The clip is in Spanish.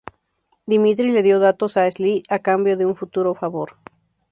Dimitri le dio datos a Sly, a cambio de un futuro favor.